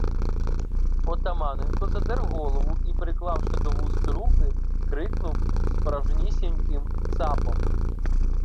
Отаманенко задер голову і, приклавши до вуст руки, крикнув справжнісіньким цапом.